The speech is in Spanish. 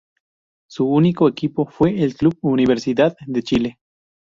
Su único equipo fue el club Universidad de Chile.